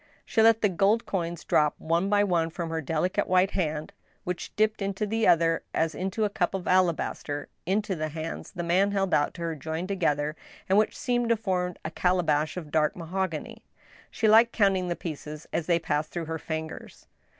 She let the gold coins drop one by one from her delicate white hand, which dipped into the other as into a cup of alabaster, into the hands the Inan held out to her joined together, and which seemed to form a calabash of dark mahogany. She liked counting the pieces as they passed through her fingers.